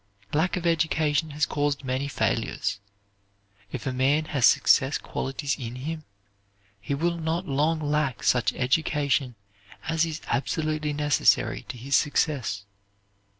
Lack of education has caused many failures; if a man has success qualities in him, he will not long lack such education as is absolutely necessary to his success.